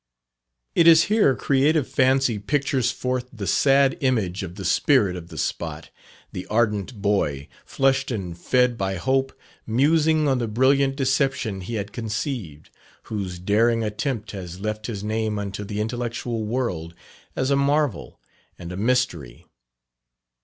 It is here creative fancy pictures forth the sad image of the spirit of the spot the ardent boy, flushed and fed by hope, musing on the brilliant deception he had conceived whose daring attempt has left his name unto the intellectual world as a marvel and a mystery.